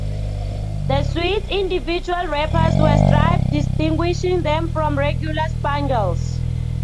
The sweets' individual wrappers were striped, distinguishing them from regular Spangles.